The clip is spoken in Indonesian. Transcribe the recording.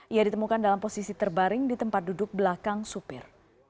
ia ditemukan dalam posisi terbaring di tempat duduk belakang supir